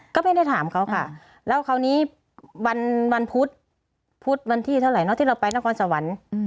ก็ไม่ได้ถามเขาค่ะแล้วคราวนี้วันพุธพุธวันที่เท่าไหร่ที่เราไปนครสวรรค์